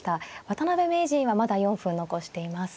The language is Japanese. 渡辺名人はまだ４分残しています。